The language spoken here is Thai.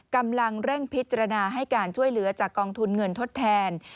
กำลังเร่งพิจารณาให้การช่วยเหลือจากกองทุนเงินทดแทน